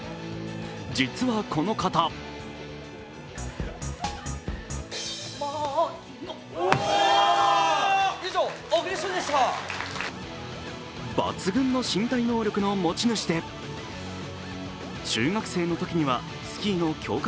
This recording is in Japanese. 実はこの方抜群の身体能力の持ち主で中学生のときにはスキーの強化